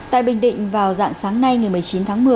tại bình định vào dạng sáng nay ngày một mươi chín tháng một mươi